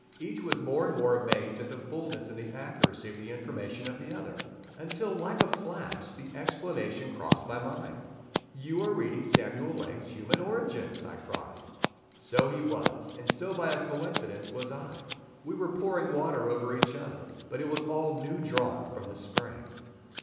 Each was more and more amazed at the fulness and the accuracy of the information of the other, until like a flash the explanation crossed my mind. "You are reading Samuel Laing's 'Human Origins'!" I cried. So he was, and so by a coincidence was I. We were pouring water over each other, but it was all new drawn from the spring.